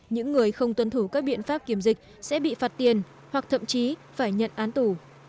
những người không tuân thủ các biện pháp kiểm dịch sẽ bị phạt tiền hoặc thậm chí phải nhận án tù